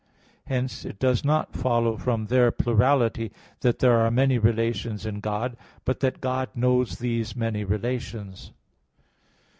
Hence it does not follow from their plurality that there are many relations in God; but that God knows these many relations.